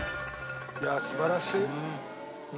いやあ素晴らしい。